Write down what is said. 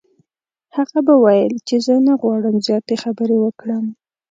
هغه به ویل چې زه نه غواړم زیاتې خبرې وکړم.